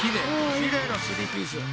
きれいなスリーピース。